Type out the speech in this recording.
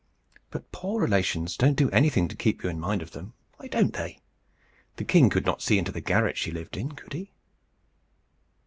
But poor relations don't do anything to keep you in mind of them. Why don't they? The king could not see into the garret she lived in, could he?